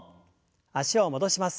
脚を戻します。